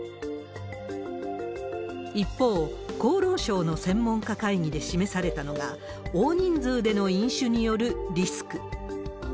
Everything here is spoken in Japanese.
一方、厚労省の専門家会議で示されたのが、大人数での飲酒によるリスク。